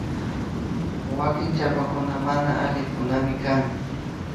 Wanki chapakuna mana alikunaminkan